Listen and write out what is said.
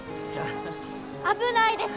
危ないです！